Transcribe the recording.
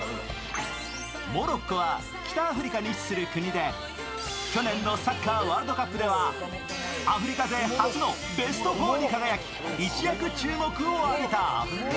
モロッコは北アフリカに位置する国で去年のサッカーワールドカップではアフリカ勢初のベスト４に輝き一躍注目を浴びた。